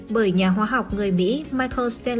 bởi nhà hoa học người mỹ michael selleck